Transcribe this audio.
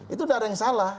itu tidak ada yang salah